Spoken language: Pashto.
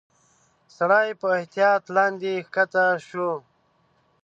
سړی په احتياط لاندي کښته شو.